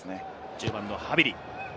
１０番のハヴィリ。